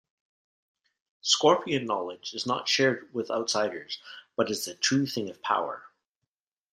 Scorpion knowledge is not shared with outsiders, but is a true thing of power.